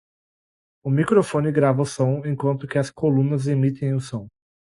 O microfone grava som, enquanto que as colunas emitem som.